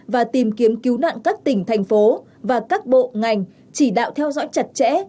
và tìm kiếm cứu nạn các tỉnh thành phố và các bộ ngành chỉ đạo theo dõi chặt chẽ